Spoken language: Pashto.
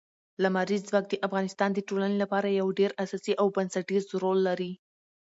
لمریز ځواک د افغانستان د ټولنې لپاره یو ډېر اساسي او بنسټيز رول لري.